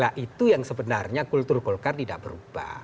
nah itu yang sebenarnya kultur golkar tidak berubah